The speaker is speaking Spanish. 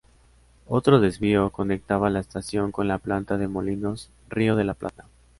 Otro desvío conectaba la estación con la planta de Molinos Río de la Plata.